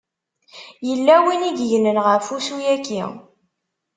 Yella win i yegnen ɣef ussu-yaki.